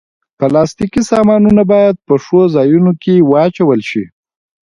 پلاستيکي سامانونه باید په ښو ځایونو کې واچول شي.